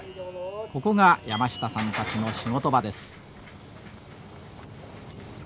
ここが山下さんたちの仕事場です。